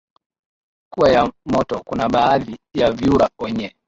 kuwa ya moto Kuna baadhi ya vyura wenye